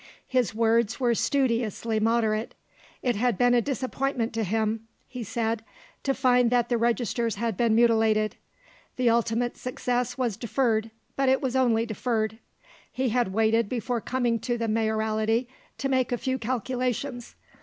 His words were studiously moderate. It had been a disappointment to him, he said, to find that the registers had been mutilated. The ultimate success was deferred, but it was only deferred. He had waited before coming to the Mayoralty to make a few calculations.